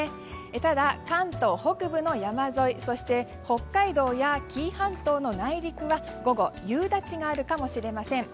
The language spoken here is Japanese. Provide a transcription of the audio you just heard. ただ、関東北部の山沿いそして北海道や紀伊半島の内陸は午後、夕立があるかもしれません。